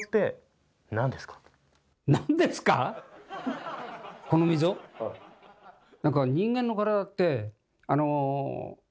何か人間の体ってあの。